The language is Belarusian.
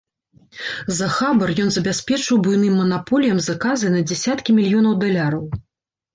За хабар ён забяспечыў буйным манаполіям заказы на дзесяткі мільёнаў даляраў.